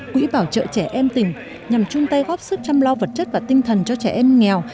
quỹ bảo trợ trẻ em tỉnh nhằm chung tay góp sức chăm lo vật chất và tinh thần cho trẻ em nghèo